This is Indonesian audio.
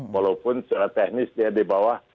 walaupun secara teknis dia di bawah